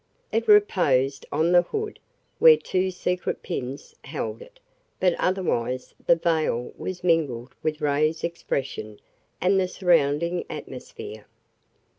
It reposed on the hood, where two secret pins held it, but otherwise the veil was mingled with Ray's expression and the surrounding atmosphere.